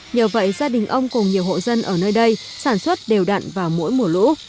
nhờ vậy gia đình ông cùng nhiều hộ dân ở nơi đây sản xuất đều đặn vào mỗi mùa lũ